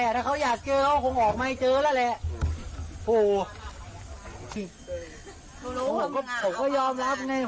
แต่ถ้าเขาอยากเจอเขาคงออกมาให้เจอแล้วแหละโอ้ผมก็ยอมรับไง